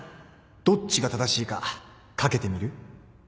どっちが正しいか賭けてみる？